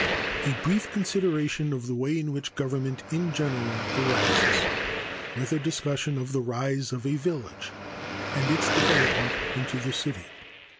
A brief consideration of the way in which government in general arises, with a discussion of the rise of a village and its development into the city.